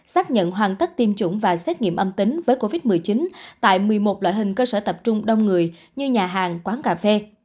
xác nhận hoàn tất tiêm chủng và xét nghiệm âm tính với covid một mươi chín tại một mươi một loại hình cơ sở tập trung đông người như nhà hàng quán cà phê